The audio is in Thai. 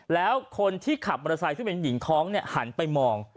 แล้วคนที่ขับมอเตอร์ไซค์ซึ่งเป็นหญิงท้องหันไปมอง